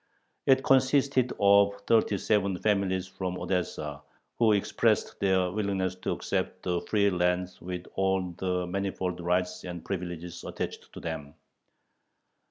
It consisted of thirty seven families from Odessa, who expressed their willingness to accept the free lands with all the manifold rights and privileges attached to them.